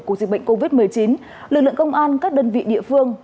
của dịch bệnh covid một mươi chín lực lượng công an các đơn vị địa phương